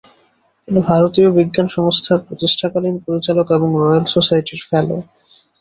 তিনি ভারতীয় বিজ্ঞান সংস্থার প্রতিষ্ঠাকালীন পরিচালক এবং রয়েল সোসাইটির ফেলো।